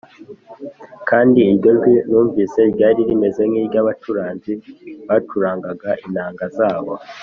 kandi iryo jwi numvise ryari rimeze nk’iry’abacuranzi bacuranga inanga zabo,